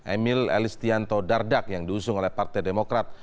emil elistianto dardak yang diusung oleh partai demokrat